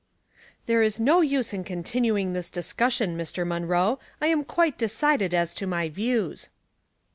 ..HERE is no use in continuing this dis« g cnssion, Mr. Munroe. I am quite de cided as to my views."